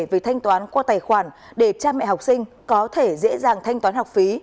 về thanh toán qua tài khoản để cha mẹ học sinh có thể dễ dàng thanh toán học phí